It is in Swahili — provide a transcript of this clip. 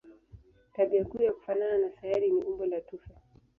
Tabia kuu ya kufanana na sayari ni umbo la tufe.